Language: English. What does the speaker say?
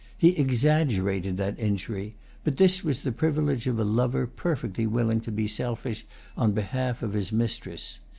He exaggerated that injury, but this was the privilege of a lover perfectly willing to be selfish on behalf of his mistress.